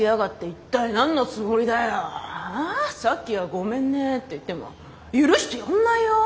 「さっきはごめんね」って言っても許してやんないよ。